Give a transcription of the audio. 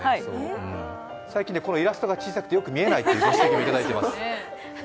最近、イラストが小さくてよく見えないという指摘をいただいています。